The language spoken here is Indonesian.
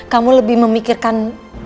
kamu lebih memikirkan